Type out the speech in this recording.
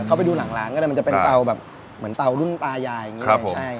เขาไปดูหลังร้านก็เลยมันจะเป็นเตาแบบเหมือนเตารุ่นตายายอย่างนี้เลยใช่